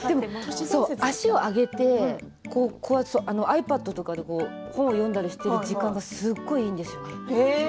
足を上げてｉＰａｄなんかで本を読んだりしている時間はすごくいいんですよね。